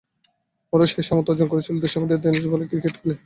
ওরা সেই সামর্থ্য অর্জন করেছিল দেশের মাটিতে টেনিস বলের ক্রিকেট খেলে খেলে।